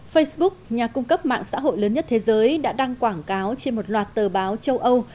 facebook nhà cung cấp mạng xã hội lớn nhất thế giới đã đăng quảng cáo trên một loạt tờ báo châu âu